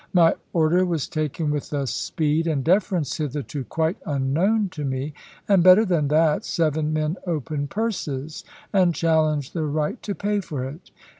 My order was taken with a speed and deference hitherto quite unknown to me; and better than that, seven men opened purses, and challenged the right to pay for it.